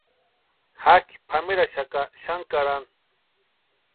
Jakʼi pʼameraaxaka xani karani.